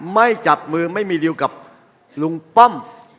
ไม่จับมือไม่มีริวกับลุงป้อม